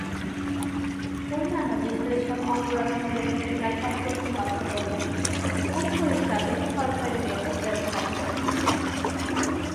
অন্যান্য বিশ্লেষণ অপরাধমূলক ইতিহাস সম্পর্কে কথা বলে, উৎস হিসাবে সরকারী রেকর্ড ব্যবহার করে।